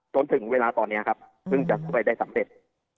จนถึงเวลาตอนนี้ครับเพิ่งจะช่วยได้สำเร็จ